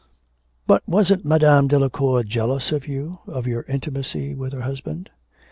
'But wasn't Madame Delacour jealous of you, of your intimacy with her husband?'